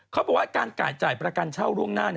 เขาบอกว่าการจ่ายประกันเช่าล่วงหน้า